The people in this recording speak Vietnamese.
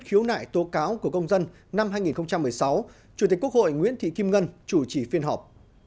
khiếu nại tố cáo của công dân năm hai nghìn một mươi sáu chủ tịch quốc hội nguyễn thị kim ngân chủ trì phiên họp